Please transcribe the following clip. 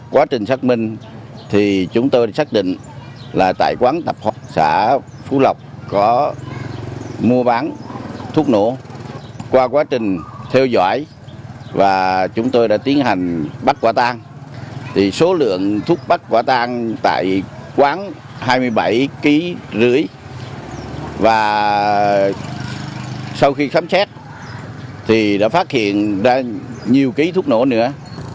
và sau khi khám chét thì đã phát hiện ra nhiều ký thuốc nổ nữa